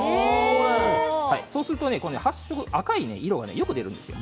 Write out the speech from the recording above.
そうすると発色赤い色がよく出るんですよ。